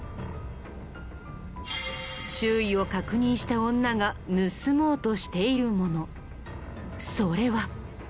周囲を確認した女が盗もうとしているものそれは。